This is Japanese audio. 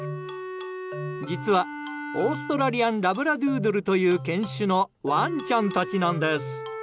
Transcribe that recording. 実はオーストラリアン・ラブラドゥードルという犬種のワンちゃんたちなんです。